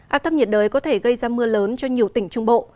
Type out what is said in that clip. áp thấp nhiệt đới có thể gây ra mưa lớn cho nhiều tỉnh trung bộ